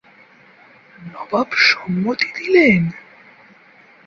নবাব সম্মতি দিলেন।